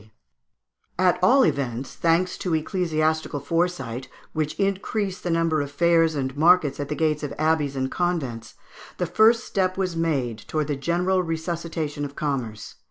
] At all events, thanks to ecclesiastical foresight, which increased the number of fairs and markets at the gates of abbeys and convents, the first step was made towards the general resuscitation of commerce.